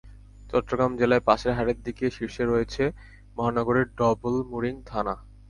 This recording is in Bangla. চট্টগ্রাম জেলায় পাসের হারের দিক দিয়ে শীর্ষে রয়েছে মহানগরের ডবলমুরিং থানা।